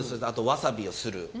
あとわさびをする。